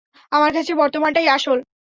আমার কাছে বর্তমানটাই আসল!